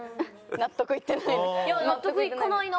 いや納得いかないな。